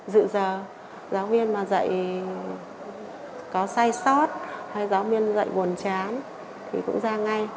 dự giờ giáo viên mà dạy có sai sót hay giáo viên dạy buồn chán thì cũng ra ngay